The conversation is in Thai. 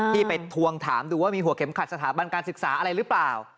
ที่ไปทวงถามดูว่ามีหัวเข็มขัดสถาบันการศึกษาอะไรหรือเปล่า